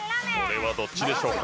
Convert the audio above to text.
これはどっちでしょうか？